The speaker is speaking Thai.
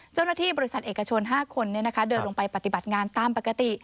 เจ้าหน้าที่บริษัทเอกชน๕คนเดินลงไปปฏิบัติงานตามปกติ